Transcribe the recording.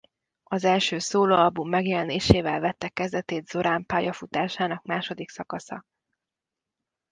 Az első szólóalbum megjelenésével vette kezdetét Zorán pályafutásának második szakasza.